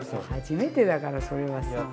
初めてだからそれはさ。